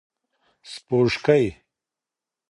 سپوږکۍ